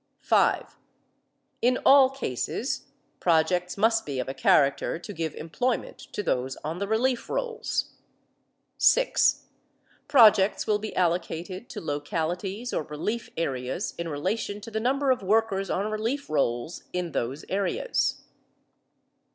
(5) In all cases projects must be of a character to give employment to those on the relief rolls. (6) Projects will be allocated to localities or relief areas in relation to the number of workers on relief rolls in those areas.